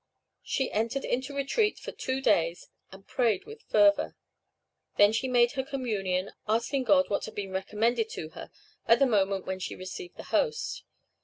She entered into retreat for two days, and prayed with fervor. Then she made her communion, asking God what had been recommended to her at the moment when she received the Host.